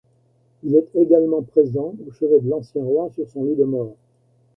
Il est également présent au chevet de l'ancien roi sur son lit de mort.